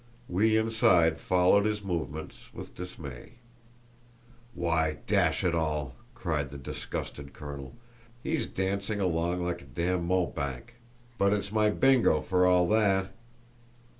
We inside followed his movements with dismay. "Why, dash it all!" cried the disgusted colonel, "he's dancing along like a d—d mountebank! But it's my Bingo, for all that!"